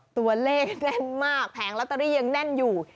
ตัวเลขแน่นมากแผงลอตเตอรี่ยังแน่นอยู่